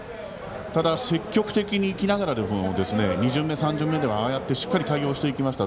ただ、積極的にいきながらでも２巡目、３巡目ではしっかり対応していきました。